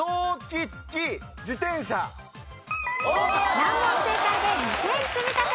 難問正解で２点積み立て。